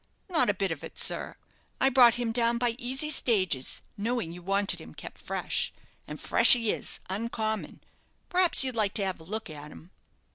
"Not a bit of it, sir. I brought him down by easy stages, knowing you wanted him kept fresh. And fresh he is oncommon. P'raps you'd like to have a look at him."